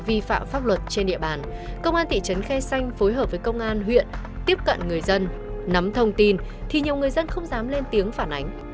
vi phạm pháp luật trên địa bàn công an thị trấn khe xanh phối hợp với công an huyện tiếp cận người dân nắm thông tin thì nhiều người dân không dám lên tiếng phản ánh